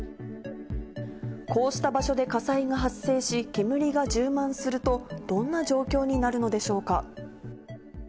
こうした場所で火災が発生し、煙が充満すると、どんな状況になるのでしょうか。